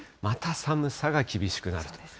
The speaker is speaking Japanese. また寒さが厳しくなると。